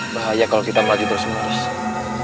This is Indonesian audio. bahaya kalau kita melaju bersungguh sungguh